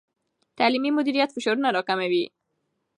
تعلیمي مدیریت فشارونه راکموي.